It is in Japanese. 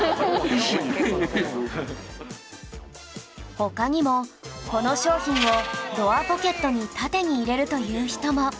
他にもこの商品をドアポケットに縦に入れるという人も